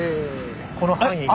この範囲が。